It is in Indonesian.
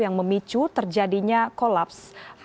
yang memicu terjadinya kolaps